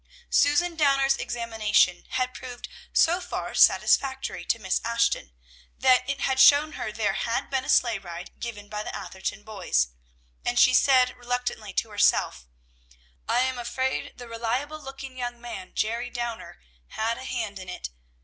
Susan Downer's examination had proved so far satisfactory to Miss Ashton, that it had shown her there had been a sleigh ride given by the Atherton boys; and she said reluctantly to herself, "I am afraid the reliable looking young man, Jerry Downer, had a hand in it.